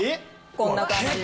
こんな感じで。